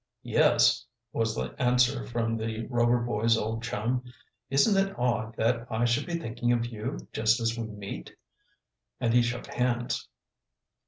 "Yes," was the answer from the Rover boys' old chum. "Isn't it odd that I should be thinking of you just as we meet?" and he shook hands.